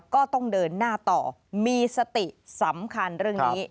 ก็ต้องเดินหน้าต่อมีสติสำคัญเรื่องนี้